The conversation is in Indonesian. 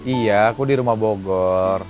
iya aku di rumah bogor